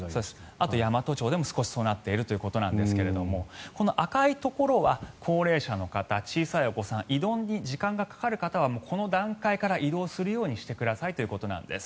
あと、山都町でも少しそうなっているんですがこの赤いところは高齢者の方、小さいお子さん移動に時間がかかる方はこの段階から移動してくださいということなんです。